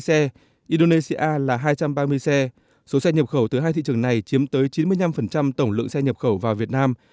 năm xe indonesia là hai trăm ba mươi xe số xe nhập khẩu từ hai thị trường này chiếm tới chín mươi năm tổng lượng xe nhập khẩu vào việt nam